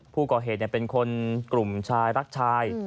ผู้ก่อเหตุเป็นคนกลุ่มชายรักชาย